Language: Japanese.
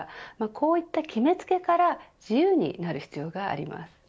こういった決めつけから自由になる必要があります。